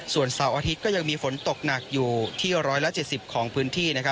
ส่วนเสาร์อาทิตย์ก็ยังมีฝนตกหนักอยู่ที่๑๗๐ของพื้นที่